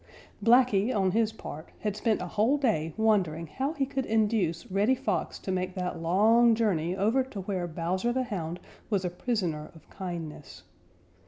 Blacky on his part had spent a whole day wondering how he could induce Reddy Fox to make that long journey over to where Bowser the Hound was a prisoner of kindness.